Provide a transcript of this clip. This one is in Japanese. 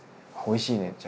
「おいしいね。